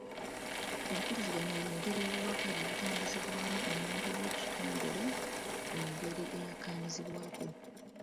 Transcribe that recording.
Empuliziganya y'engeri obubaka gye butambuzibwamu omuntu oba ekitongole mu ngeri eyakkaannyizibwako.